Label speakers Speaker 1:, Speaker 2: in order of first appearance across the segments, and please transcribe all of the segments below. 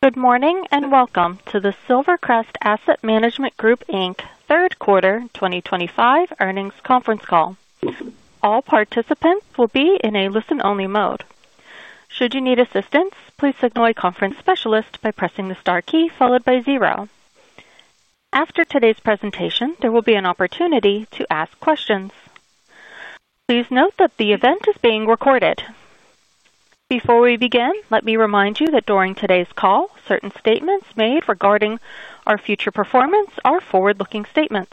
Speaker 1: Good morning and welcome to the Silvercrest Asset Management Group Inc Third Quarter 2025 earnings conference call. All participants will be in a listen-only mode. Should you need assistance, please signal a conference specialist by pressing the star key followed by zero. After today's presentation, there will be an opportunity to ask questions. Please note that the event is being recorded. Before we begin, let me remind you that during today's call, certain statements made regarding our future performance are forward-looking statements.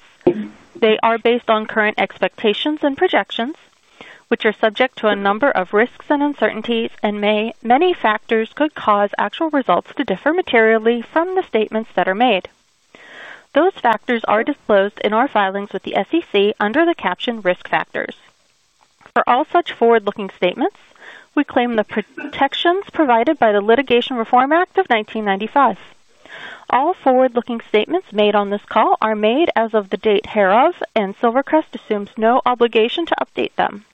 Speaker 1: They are based on current expectations and projections, which are subject to a number of risks and uncertainties, and many factors could cause actual results to differ materially from the statements that are made. Those factors are disclosed in our filings with the SEC under the caption "Risk Factors." For all such forward-looking statements, we claim the protections provided by the Litigation Reform Act of 1995. All forward-looking statements made on this call are made as of the date hereof, and Silvercrest assumes no obligation to update them.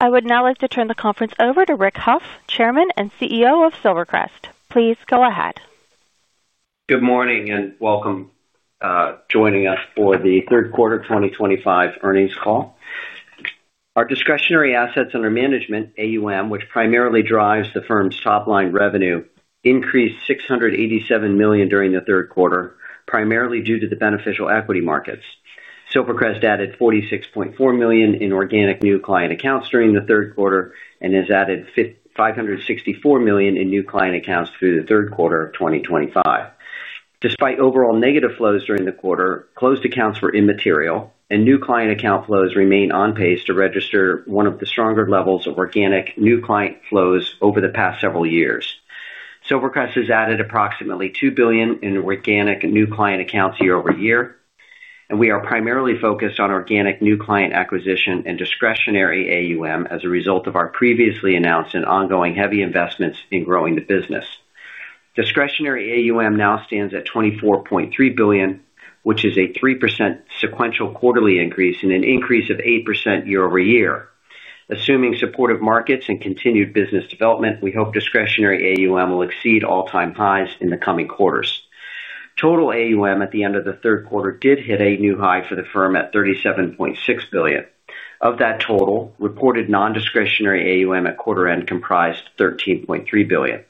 Speaker 1: I would now like to turn the conference over to Rick Hough, Chairman and CEO of Silvercrest. Please go ahead.
Speaker 2: Good morning and welcome. Joining us for the Third Quarter 2025 earnings call. Our discretionary assets under management, AUM, which primarily drives the firm's top-line revenue, increased $687 million during the third quarter, primarily due to the beneficial equity markets. Silvercrest added $46.4 million in organic new client accounts during the third quarter and has added $564 million in new client accounts through the third quarter of 2025. Despite overall negative flows during the quarter, closed accounts were immaterial, and new client account flows remain on pace to register one of the stronger levels of organic new client flows over the past several years. Silvercrest has added approximately $2 billion in organic new client accounts year-over-year, and we are primarily focused on organic new client acquisition and discretionary AUM as a result of our previously announced and ongoing heavy investments in growing the business. Discretionary AUM now stands at $24.3 billion, which is a 3% sequential quarterly increase and an increase of 8% year-over-year. Assuming supportive markets and continued business development, we hope discretionary AUM will exceed all-time highs in the coming quarters. Total AUM at the end of the third quarter did hit a new high for the firm at $37.6 billion. Of that total, reported non-discretionary AUM at quarter-end comprised $13.3 billion.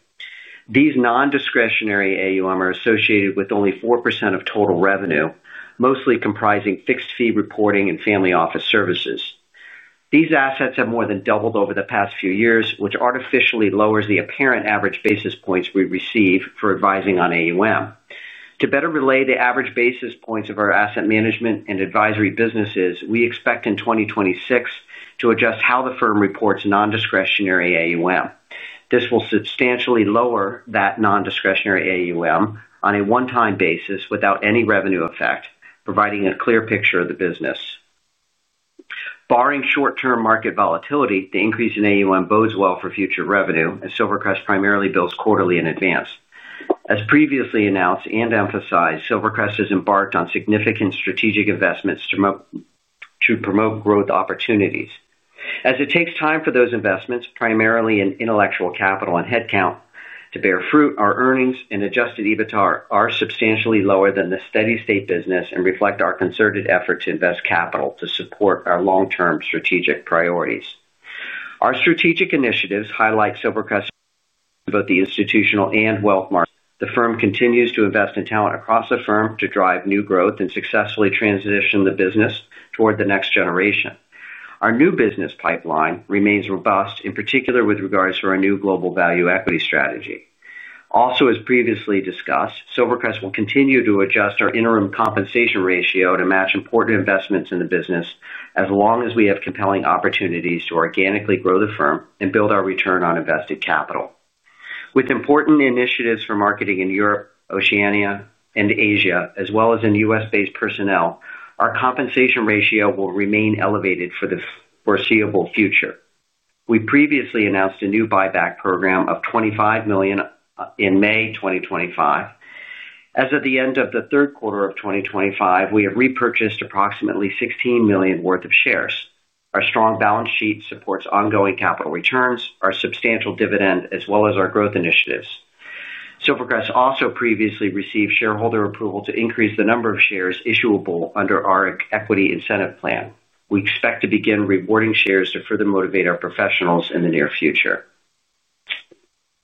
Speaker 2: These non-discretionary AUM are associated with only 4% of total revenue, mostly comprising fixed fee reporting and family office services. These assets have more than doubled over the past few years, which artificially lowers the apparent average basis points we receive for advising on AUM. To better relay the average basis points of our asset management and advisory businesses, we expect in 2026 to adjust how the firm reports non-discretionary AUM. This will substantially lower that non-discretionary AUM on a one-time basis without any revenue effect, providing a clear picture of the business. Barring short-term market volatility, the increase in AUM bodes well for future revenue, as Silvercrest primarily bills quarterly in advance. As previously announced and emphasized, Silvercrest has embarked on significant strategic investments to promote growth opportunities. As it takes time for those investments, primarily in intellectual capital and headcount, to bear fruit, our earnings and adjusted EBITDA are substantially lower than the steady-state business and reflect our concerted effort to invest capital to support our long-term strategic priorities. Our strategic initiatives highlight Silvercrest's both the institutional and wealth market. The firm continues to invest in talent across the firm to drive new growth and successfully transition the business toward the next generation. Our new business pipeline remains robust, in particular with regards to our new global value equity strategy. Also, as previously discussed, Silvercrest will continue to adjust our interim compensation ratio to match important investments in the business as long as we have compelling opportunities to organically grow the firm and build our return on invested capital. With important initiatives for marketing in Europe, Oceania, and Asia, as well as in U.S.-based personnel, our compensation ratio will remain elevated for the foreseeable future. We previously announced a new buyback program of $25 million in May 2025. As of the end of the third quarter of 2025, we have repurchased approximately $16 million worth of shares. Our strong balance sheet supports ongoing capital returns, our substantial dividend, as well as our growth initiatives. Silvercrest also previously received shareholder approval to increase the number of shares issuable under our equity incentive plan. We expect to begin rewarding shares to further motivate our professionals in the near future.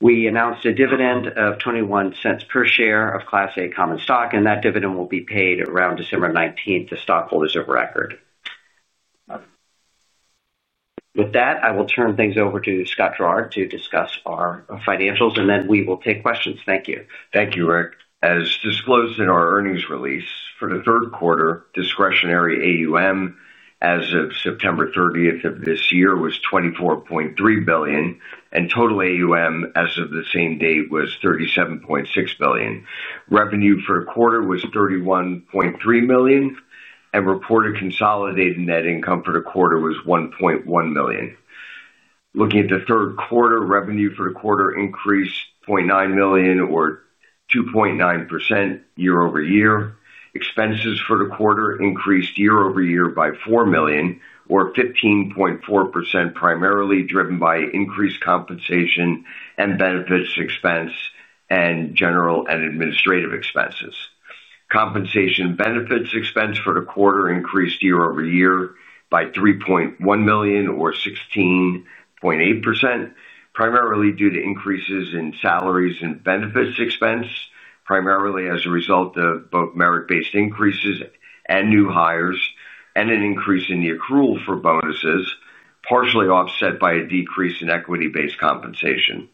Speaker 2: We announced a dividend of $0.21 per share of Class A common stock, and that dividend will be paid around December 19th to stockholders of record. With that, I will turn things over to Scott Gerard to discuss our financials, and then we will take questions. Thank you.
Speaker 3: Thank you, Rick. As disclosed in our earnings release, for the third quarter, discretionary AUM as of September 30th of this year was $24.3 billion, and total AUM as of the same date was $37.6 billion. Revenue for the quarter was $31.3 million, and reported consolidated net income for the quarter was $1.1 million. Looking at the third quarter, revenue for the quarter increased $0.9 million, or 2.9% year-over-year. Expenses for the quarter increased year-over-year by $4 million, or 15.4%, primarily driven by increased compensation and benefits expense and general and administrative expenses. Compensation benefits expense for the quarter increased year-over-year by $3.1 million, or 16.8%, primarily due to increases in salaries and benefits expense, primarily as a result of both merit-based increases and new hires, and an increase in the accrual for bonuses, partially offset by a decrease in equity-based compensation.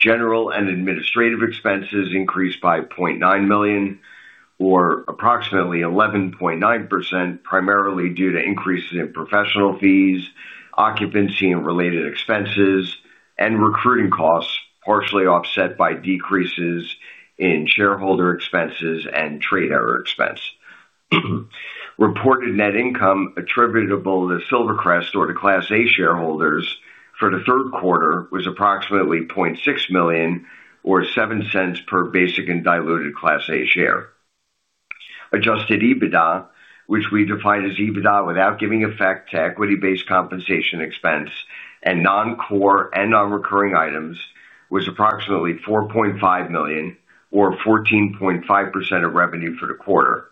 Speaker 3: General and administrative expenses increased by $0.9 million, or approximately 11.9%, primarily due to increases in professional fees, occupancy and related expenses, and recruiting costs, partially offset by decreases in shareholder expenses and trade error expense. Reported net income attributable to Silvercrest or to Class A shareholders for the third quarter was approximately $0.6 million, or $0.07 per basic and diluted Class A share. Adjusted EBITDA, which we define as EBITDA without giving effect to equity-based compensation expense and non-core and non-recurring items, was approximately $4.5 million, or 14.5% of revenue for the quarter.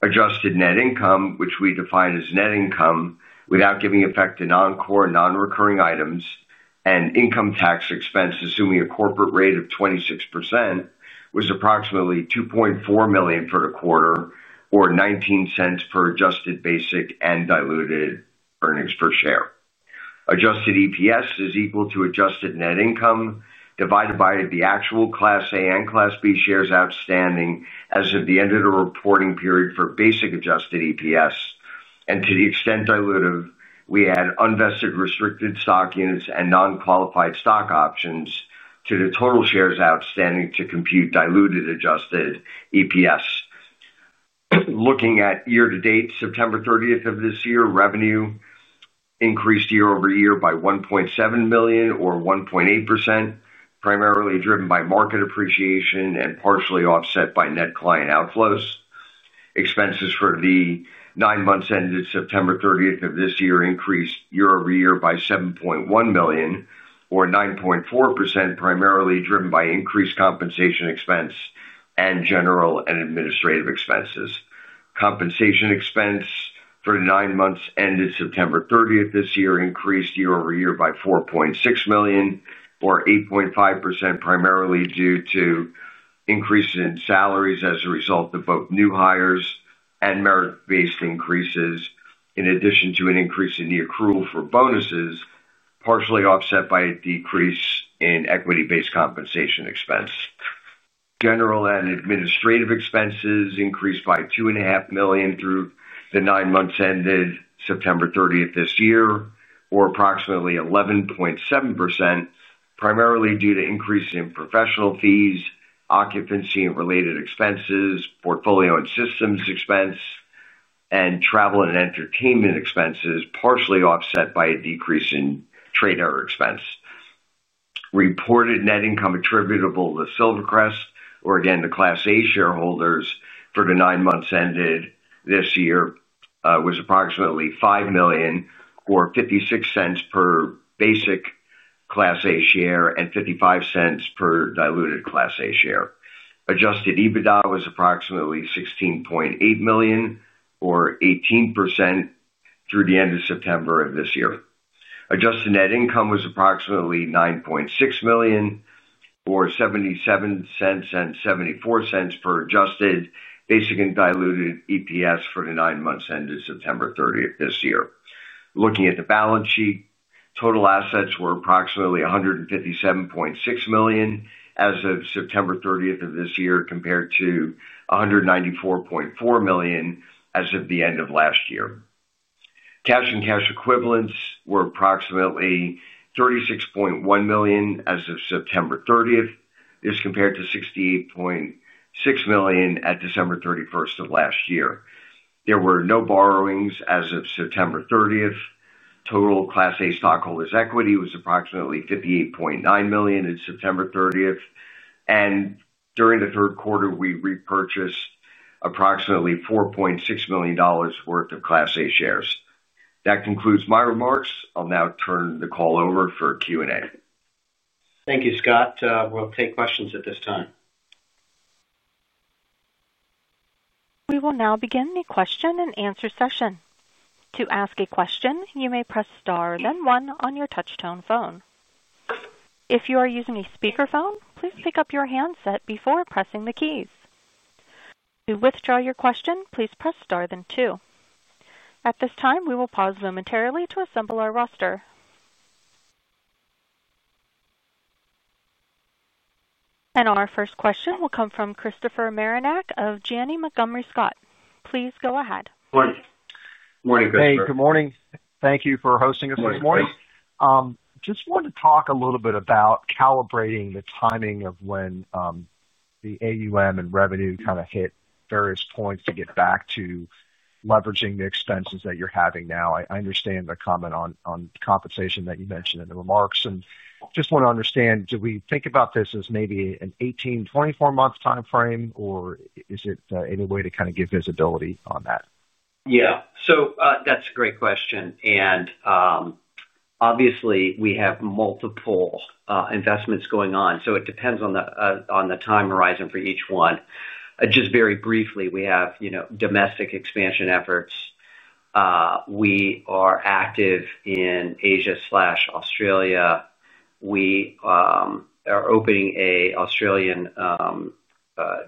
Speaker 3: Adjusted net income, which we define as net income without giving effect to non-core and non-recurring items, and income tax expense, assuming a corporate rate of 26%, was approximately $2.4 million for the quarter, or $0.19 per adjusted basic and diluted earnings per share. Adjusted EPS is equal to adjusted net income divided by the actual Class A and Class B shares outstanding as of the end of the reporting period for basic adjusted EPS, and to the extent diluted, we add unvested restricted stock units and non-qualified stock options to the total shares outstanding to compute diluted adjusted EPS. Looking at year-to-date, September 30th of this year, revenue increased year-over-year by $1.7 million, or 1.8%, primarily driven by market appreciation and partially offset by net client outflows. Expenses for the nine months ended September 30th of this year, increased year-over-year by $7.1 million, or 9.4%, primarily driven by increased compensation expense and general and administrative expenses. Compensation expense for the nine months ended September 30th this year, increased year-over-year by $4.6 million, or 8.5%, primarily due to increases in salaries as a result of both new hires and merit-based increases, in addition to an increase in the accrual for bonuses, partially offset by a decrease in equity-based compensation expense. General and administrative expenses increased by $2.5 million through the nine months ended September 30th this year, or approximately 11.7%, primarily due to increases in professional fees, occupancy and related expenses, portfolio and systems expense, and travel and entertainment expenses, partially offset by a decrease in trade error expense. Reported net income attributable to Silvercrest, or again, the Class A shareholders for the nine months ended this year, was approximately $5 million, or $0.56 per basic Class A share and $0.55 per diluted Class A share. Adjusted EBITDA was approximately $16.8 million, or 18%, through the end of September of this year. Adjusted net income was approximately $9.6 million, or $0.77 and $0.74 for adjusted basic and diluted EPS for the nine months ended September 30th this year. Looking at the balance sheet, total assets were approximately $157.6 million as of September 30th of this year, compared to $194.4 million as of the end of last year. Cash and cash equivalents were approximately $36.1 million as of September 30th, as compared to $68.6 million at December 31st of last year. There were no borrowings as of September 30th. Total Class A stockholders' equity was approximately $58.9 million at September 30th, and during the third quarter, we repurchased approximately $4.6 million worth of Class A shares. That concludes my remarks. I'll now turn the call over for Q&A.
Speaker 2: Thank you, Scott. We'll take questions at this time.
Speaker 1: We will now begin the question-and-answer session. To ask a question, you may press star then one on your touch-tone phone. If you are using a speakerphone, please pick up your handset before pressing the keys. To withdraw your question, please press star then two. At this time, we will pause momentarily to assemble our roster. Our first question will come from Christopher Marinac of Janney Montgomery Scott. Please go ahead.
Speaker 2: Good morning, Christopher.
Speaker 4: Hey, good morning. Thank you for hosting us this morning. Just wanted to talk a little bit about calibrating the timing of when the AUM and revenue kind of hit various points to get back to leveraging the expenses that you're having now. I understand the comment on compensation that you mentioned in the remarks, and just want to understand, do we think about this as maybe an 18, 24-month time frame, or is it any way to kind of give visibility on that?
Speaker 2: Yeah. That's a great question. Obviously, we have multiple investments going on, so it depends on the time horizon for each one. Just very briefly, we have domestic expansion efforts. We are active in Asia/Australia. We are opening an Australian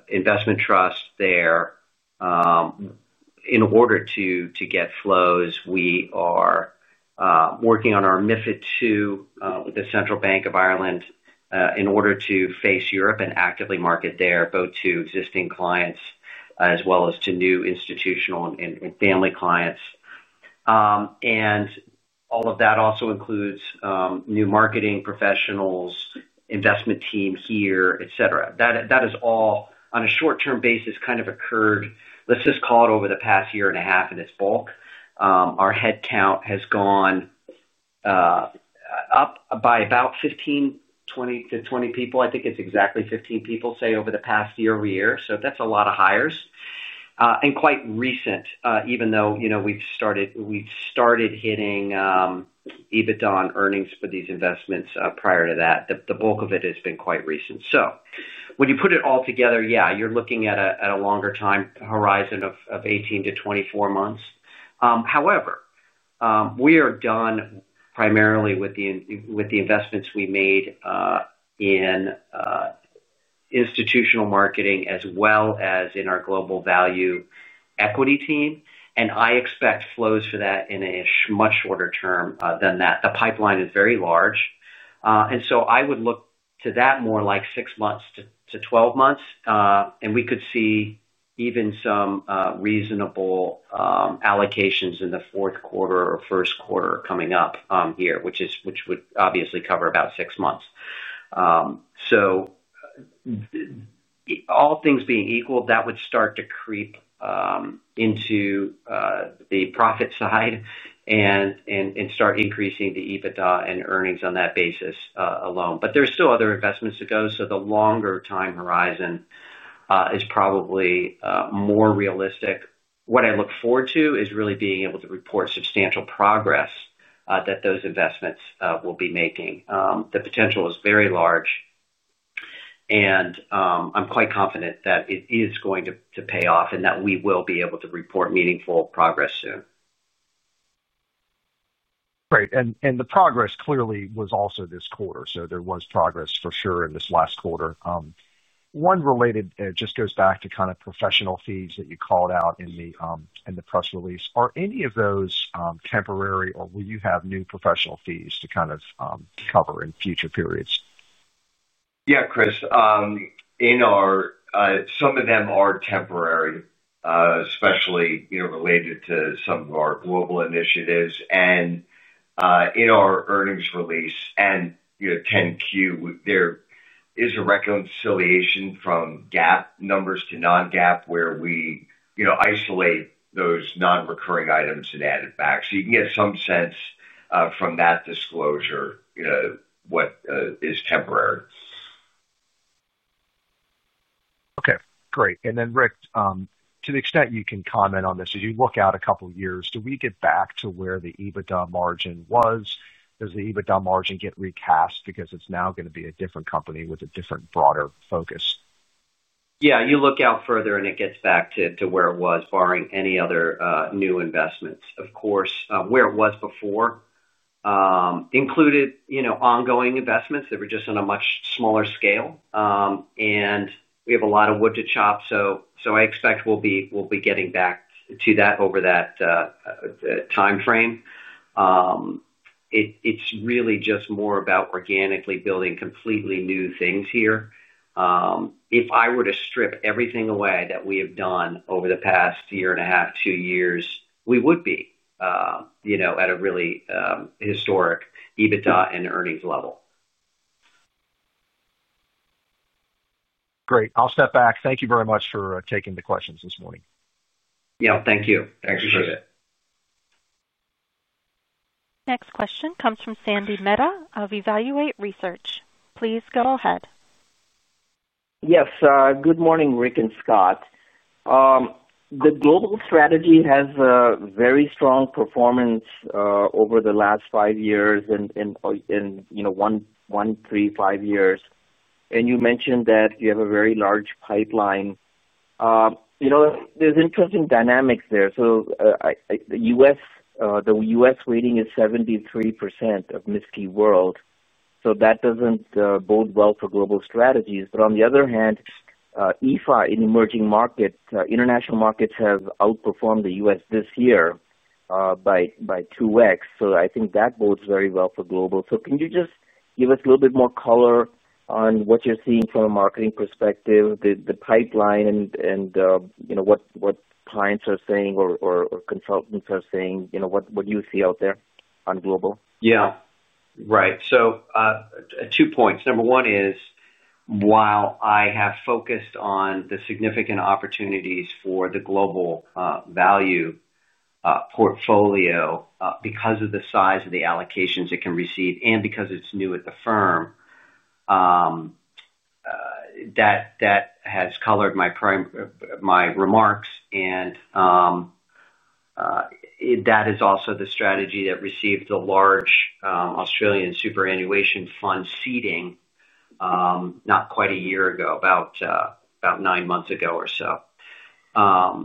Speaker 2: investment trust there. In order to get flows, we are working on our MiFID II with the Central Bank of Ireland in order to face Europe and actively market there, both to existing clients as well as to new institutional and family clients. All of that also includes new marketing professionals, investment team here, etc. That has all, on a short-term basis, kind of occurred over the past year and a half in its bulk. Our headcount has gone up by about 15 to 20 people. I think it's exactly 15 people, say, over the past year-over-year. That's a lot of hires and quite recent, even though we've started hitting EBITDA on earnings for these investments prior to that. The bulk of it has been quite recent. When you put it all together, you're looking at a longer-term horizon of 18 to 24 months. However, we are done primarily with the investments we made in institutional marketing as well as in our global value equity team. I expect flows for that in a much shorter term than that. The pipeline is very large, and I would look to that more like six months to 12 months. We could see even some reasonable allocations in the fourth quarter or first quarter coming up here, which would obviously cover about six months. All things being equal, that would start to creep into the profit side and start increasing the EBITDA and earnings on that basis alone. There's still other investments to go, so the longer-term horizon is probably more realistic. What I look forward to is really being able to report substantial progress that those investments will be making. The potential is very large, and I'm quite confident that it is going to pay off and that we will be able to report meaningful progress soon.
Speaker 4: Great. The progress clearly was also this quarter. There was progress for sure in this last quarter. One related question just goes back to kind of professional fees that you called out in the press release. Are any of those temporary, or will you have new professional fees to kind of cover in future periods?
Speaker 3: Yeah, Chris. Some of them are temporary, especially related to some of our global initiatives. In our earnings release and 10-Q, there is a reconciliation from GAAP numbers to non-GAAP where we isolate those non-recurring items and add it back. You can get some sense from that disclosure what is temporary.
Speaker 4: Okay. Great. Rick, to the extent you can comment on this, as you look out a couple of years, do we get back to where the EBITDA margin was? Does the EBITDA margin get recast because it's now going to be a different company with a different, broader focus?
Speaker 2: Yeah. You look out further, and it gets back to where it was, barring any other new investments. Of course, where it was before included ongoing investments that were just on a much smaller scale. We have a lot of wood to chop, so I expect we'll be getting back to that over that time frame. It's really just more about organically building completely new things here. If I were to strip everything away that we have done over the past year and a half, two years, we would be at a really historic EBITDA and earnings level.
Speaker 4: Great, I'll step back. Thank you very much for taking the questions this morning.
Speaker 2: Thank you. I appreciate it.
Speaker 1: Next question comes from Sandy Mehta of Evaluate Research. Please go ahead.
Speaker 5: Yes. Good morning, Rick and Scott. The global strategy has a very strong performance over the last five years. One, three, five years. You mentioned that you have a very large pipeline. There are interesting dynamics there. The U.S. weighting is 73% of MSCI World. That doesn't bode well for global strategies. On the other hand, EAFE and emerging markets, international markets have outperformed the U.S. this year by 2x. I think that bodes very well for global. Can you just give us a little bit more color on what you're seeing from a marketing perspective, the pipeline, and what clients are saying or consultants are saying, what you see out there on global?
Speaker 2: Right. Two points. Number one is, while I have focused on the significant opportunities for the global value portfolio because of the size of the allocations it can receive and because it's new at the firm, that has colored my remarks. That is also the strategy that received a large Australian superannuation fund seeding not quite a year ago, about nine months ago or so. That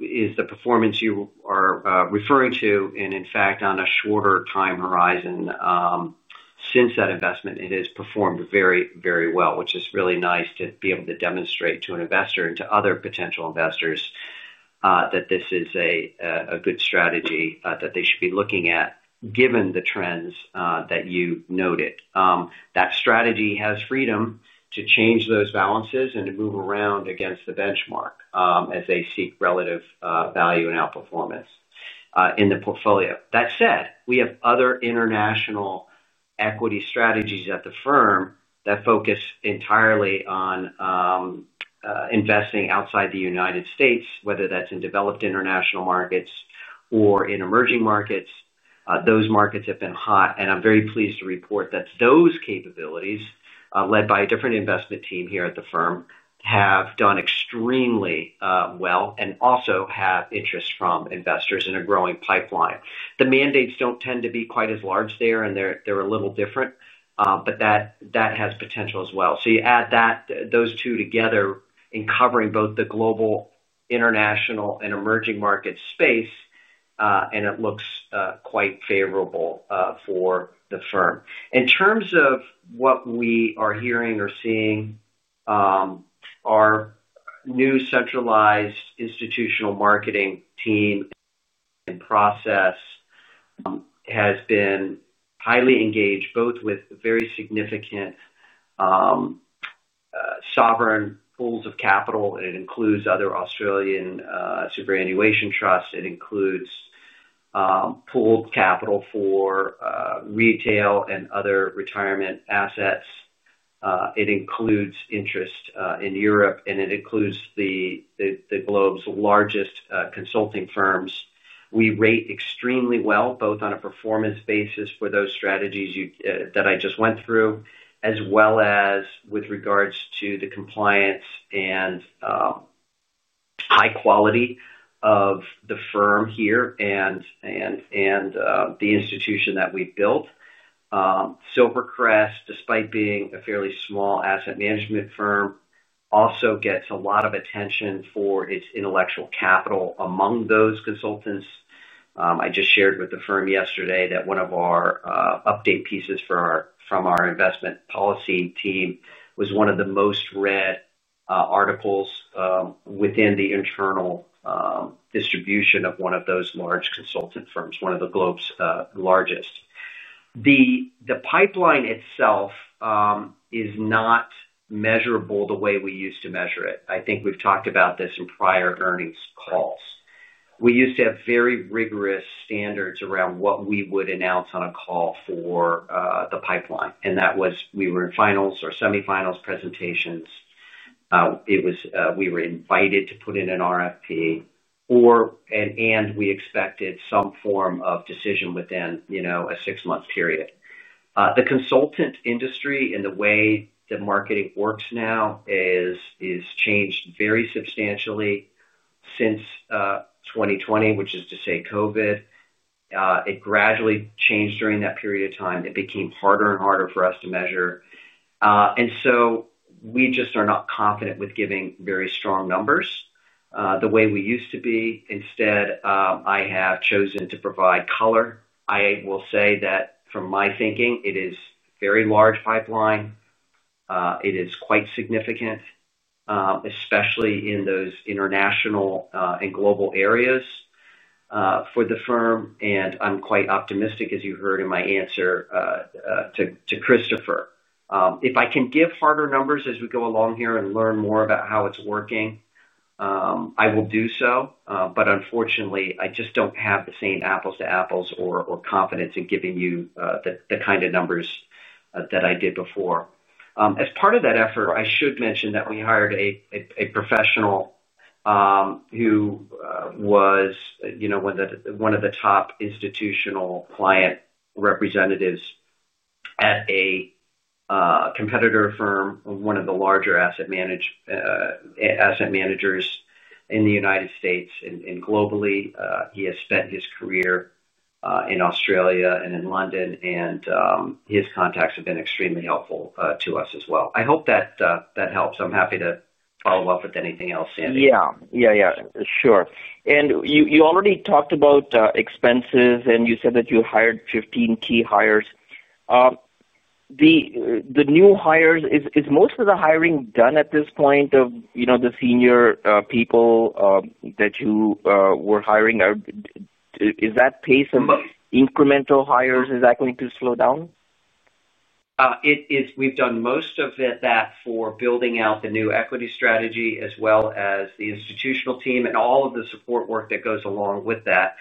Speaker 2: is the performance you are referring to. In fact, on a shorter-term horizon since that investment, it has performed very, very well, which is really nice to be able to demonstrate to an investor and to other potential investors that this is a good strategy that they should be looking at, given the trends that you noted. That strategy has freedom to change those balances and to move around against the benchmark as they seek relative value and outperformance in the portfolio. That said, we have other international equity strategies at the firm that focus entirely on investing outside the United States, whether that's in developed international markets or in emerging markets. Those markets have been hot. I'm very pleased to report that those capabilities, led by a different investment team here at the firm, have done extremely well and also have interest from investors in a growing pipeline. The mandates don't tend to be quite as large there, and they're a little different, but that has potential as well. You add those two together in covering both the global, international, and emerging market space, and it looks quite favorable for the firm. In terms of what we are hearing or seeing, our new centralized institutional marketing team and process has been highly engaged, both with very significant sovereign pools of capital. It includes other Australian superannuation trusts. It includes pooled capital for retail and other retirement assets. It includes interest in Europe, and it includes the globe's largest consulting firms. We rate extremely well, both on a performance basis for those strategies that I just went through, as well as with regards to the compliance and high quality of the firm here and the institution that we built. Silvercrest, despite being a fairly small asset management firm, also gets a lot of attention for its intellectual capital among those consultants. I just shared with the firm yesterday that one of our update pieces from our investment policy team was one of the most read articles within the internal. Distribution of one of those large consultant firms, one of the globe's largest. The pipeline itself is not measurable the way we used to measure it. I think we've talked about this in prior earnings calls. We used to have very rigorous standards around what we would announce on a call for the pipeline. That was we were in finals or semifinals presentations, we were invited to put in an RFP, and we expected some form of decision within a six-month period. The consultant industry, in the way the marketing works now, has changed very substantially. Since 2020, which is to say COVID, it gradually changed during that period of time. It became harder and harder for us to measure, and we just are not confident with giving very strong numbers the way we used to be. Instead, I have chosen to provide color. I will say that, from my thinking, it is a very large pipeline. It is quite significant, especially in those international and global areas for the firm. I'm quite optimistic, as you heard in my answer to Christopher. If I can give harder numbers as we go along here and learn more about how it's working, I will do so. Unfortunately, I just don't have the same apples to apples or confidence in giving you the kind of numbers that I did before. As part of that effort, I should mention that we hired a professional who was one of the top institutional client representatives at a competitor firm, one of the larger asset managers in the United States and globally. He has spent his career in Australia and in London, and his contacts have been extremely helpful to us as well. I hope that helps. I'm happy to follow up with anything else, Sandy.
Speaker 5: Yeah, sure. You already talked about expenses, and you said that you hired 15 key hires. The new hires, is most of the hiring done at this point of the senior people that you were hiring? Is that pace of incremental hires going to slow down?
Speaker 2: We've done most of that for building out the new equity strategy as well as the institutional team and all of the support work that goes along with that,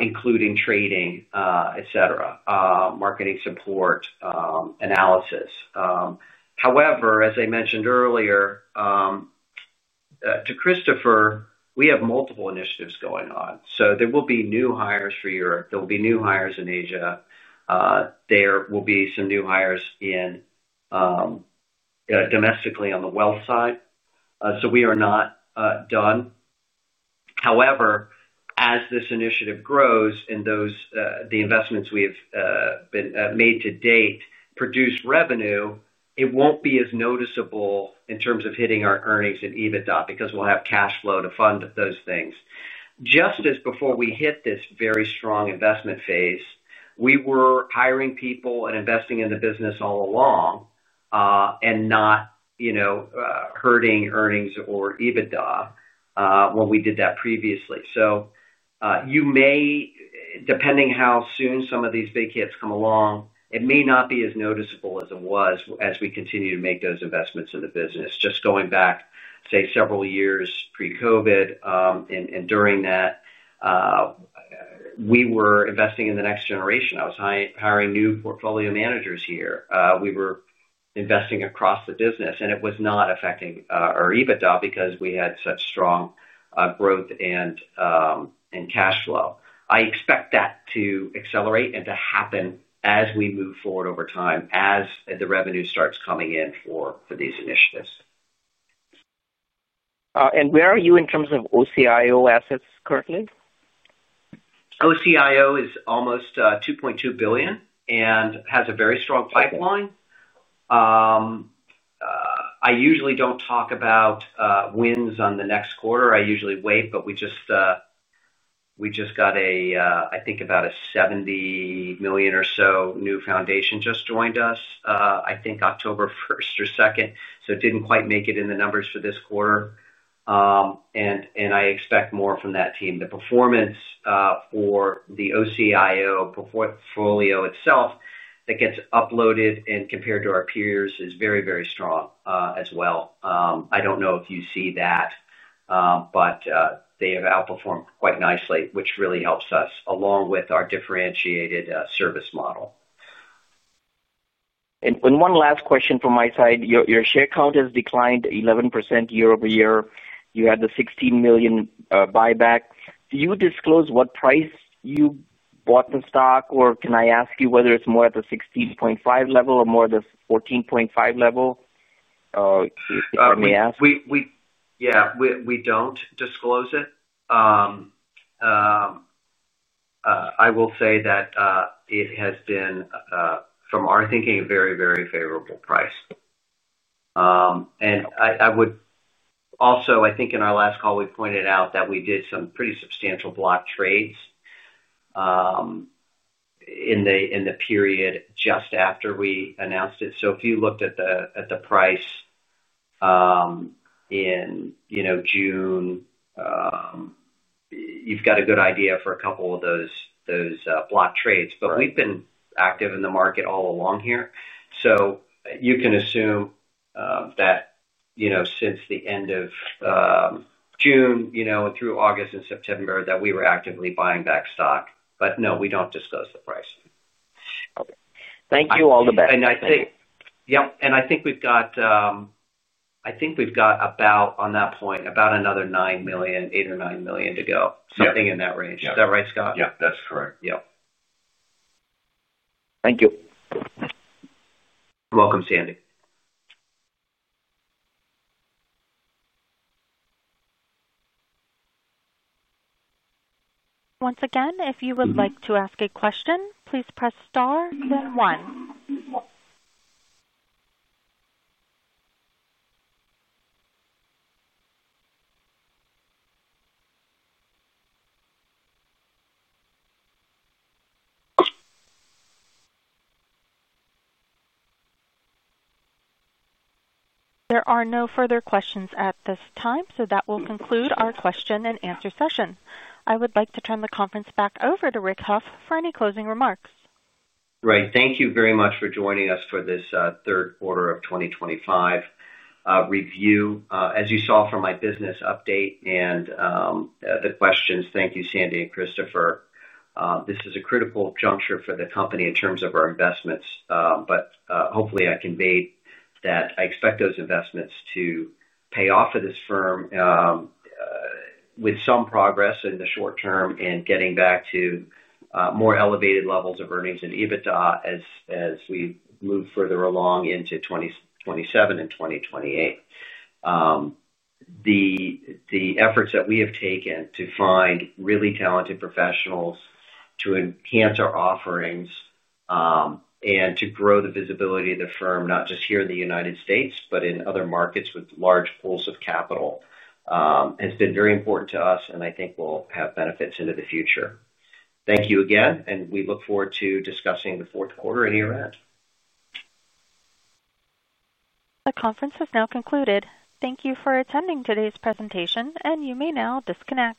Speaker 2: including trading, marketing support, and analysis. However, as I mentioned earlier to Christopher, we have multiple initiatives going on. There will be new hires for Europe, new hires in Asia, and some new hires domestically on the wealth side. We are not done. However, as this initiative grows and the investments we have made to date produce revenue, it won't be as noticeable in terms of hitting our earnings and EBITDA because we'll have cash flow to fund those things. Just as before we hit this very strong investment phase, we were hiring people and investing in the business all along and not hurting earnings or EBITDA when we did that previously. Depending how soon some of these big hits come along, it may not be as noticeable as it was as we continue to make those investments in the business. Just going back, say, several years pre-COVID and during that, we were investing in the next generation. I was hiring new portfolio managers here. We were investing across the business, and it was not affecting our EBITDA because we had such strong growth and cash flow. I expect that to accelerate and to happen as we move forward over time, as the revenue starts coming in for these initiatives.
Speaker 5: Where are you in terms of OCIO assets currently?
Speaker 2: OCIO is almost $2.2 billion and has a very strong pipeline. I usually don't talk about wins on the next quarter. I usually wait, but we just got, I think, about a $70 million or so new foundation just joined us, I think, October 1st or 2nd. It didn't quite make it in the numbers for this quarter. I expect more from that team. The performance for the OCIO portfolio itself that gets uploaded and compared to our peers is very, very strong as well. I don't know if you see that, but they have outperformed quite nicely, which really helps us along with our differentiated service model.
Speaker 5: One last question from my side. Your share count has declined 11% year-over-year. You had the $16 million buyback. Do you disclose what price you bought the stock, or can I ask you whether it's more at the $16.5 level or more at the $14.5 level, if you let me ask?
Speaker 2: Yeah. We don't disclose it. I will say that it has been, from our thinking, a very, very favorable price. I think in our last call, we pointed out that we did some pretty substantial block trades in the period just after we announced it. If you looked at the price in June, you've got a good idea for a couple of those block trades. We've been active in the market all along here. You can assume that since the end of June through August and September, we were actively buying back stock. No, we don't disclose the price.
Speaker 5: Okay, thank you. All the best.
Speaker 2: I think.
Speaker 5: Yep.
Speaker 2: I think we've got about another $8 million or $9 million to go, something in that range. Is that right, Scott?
Speaker 3: Yeah, that's correct.
Speaker 5: Thank you.
Speaker 2: Welcome, Sandy.
Speaker 1: Once again, if you would like to ask a question, please press star then one. There are no further questions at this time, so that will conclude our question and answer session. I would like to turn the conference back over to Rick Hough for any closing remarks.
Speaker 2: Great. Thank you very much for joining us for this third quarter of 2025 review. As you saw from my business update and the questions, thank you, Sandy and Christopher. This is a critical juncture for the company in terms of our investments. I hope I conveyed that I expect those investments to pay off for this firm, with some progress in the short term and getting back to more elevated levels of earnings and EBITDA as we move further along into 2027 and 2028. The efforts that we have taken to find really talented professionals to enhance our offerings and to grow the visibility of the firm, not just here in the United States, but in other markets with large pools of capital, has been very important to us and I think will have benefits into the future. Thank you again, and we look forward to discussing the fourth quarter and year end.
Speaker 1: The conference has now concluded. Thank you for attending today's presentation, and you may now disconnect.